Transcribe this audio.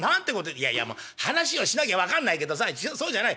いやいやもう話をしなきゃ分かんないけどさそうじゃない。